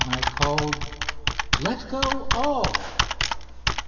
I called: "Let go all!"